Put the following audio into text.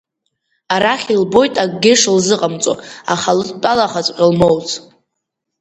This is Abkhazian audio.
Арахь илбоит акгьы шылзыҟамҵо, аха лыдтәалахаҵәҟьа лмоуц.